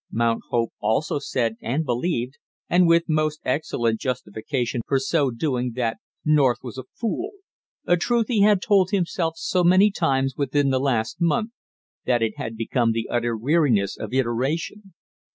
Mount Hope also said and believed, and with most excellent justification for so doing, that North was a fool a truth he had told himself so many times within the last month that it had become the utter weariness of iteration.